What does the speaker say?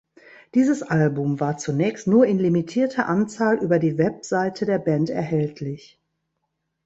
Dieses Album war zunächst nur in limitierter Anzahl über die Webseite der Band erhältlich.